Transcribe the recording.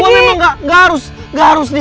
enggak gue gak harus gak harus nih